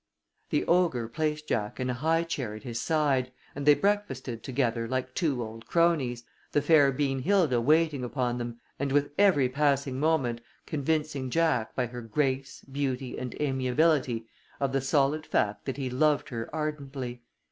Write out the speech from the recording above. The ogre placed Jack in a high chair at his side, and they breakfasted together like two old cronies, the fair Beanhilda waiting upon them, and with every passing moment convincing Jack, by her grace, beauty, and amiability, of the solid fact that he loved her ardently.